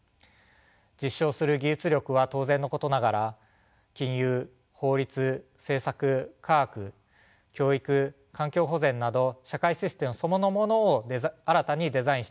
実証する技術力は当然のことながら金融法律政策科学教育環境保全など社会システムそのものを新たにデザインしていく必要があります。